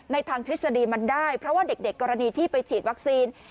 ทางทฤษฎีมันได้เพราะว่าเด็กกรณีที่ไปฉีดวัคซีน